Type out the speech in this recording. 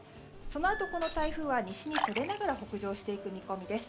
そのあと、この台風は西にそれながら北上していく見込みです。